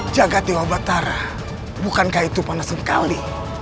jaga dewa batara bukankah itu panah sekali